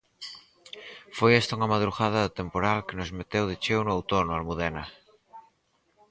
Foi esta unha madrugada de temporal que nos meteu de cheo no outono, Almudena.